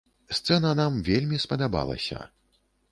Сцэна нам вельмі спадабалася.